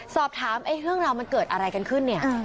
สอบถามเรื่องราวมันเกิดอะไรกันขึ้นเนี่ย